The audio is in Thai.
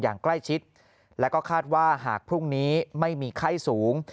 อย่างใกล้ชิดแล้วก็คาดว่าหากพรุ่งนี้ไม่มีไข้สูง